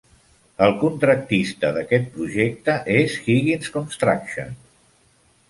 El contractista d'aquest projecte és Higgins Construction.